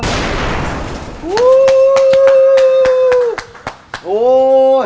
วู้ว